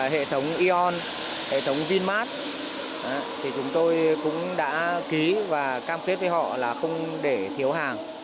hệ thống eon hệ thống vinmart chúng tôi cũng đã ký và cam kết với họ là không để thiếu hàng